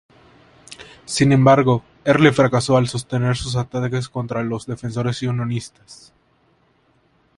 Sin embargo, Early fracasó al sostener su ataque contra los defensores unionistas.